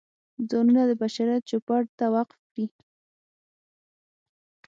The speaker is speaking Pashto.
ځانونه د بشریت چوپړ ته وقف کړي.